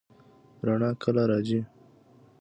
رڼا کله راځي؟